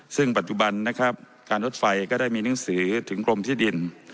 ซึ่งปัจจุบันนะครับการรถไฟก็ได้มีหนังสือถึงกรมที่ดิน